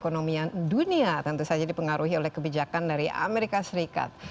ekonomi dunia tentu saja dipengaruhi oleh kebijakan dari amerika serikat